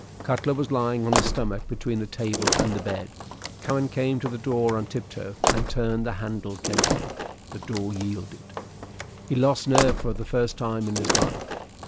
Cutler was lying on his stomach between the table and the bed. Cowen came to the door on tiptoe and turned the handle gently; the door yielded. He lost nerve for the first time in his life.